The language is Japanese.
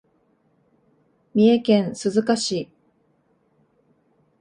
三重県鈴鹿市